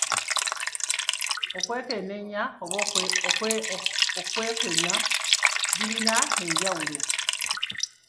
Okukwenyakwenya oba okukwenya birina enjawulo?